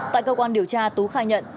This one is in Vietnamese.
tại cơ quan điều tra tú khai nhận